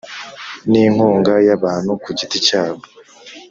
n inkunga y abantu ku giti cyabo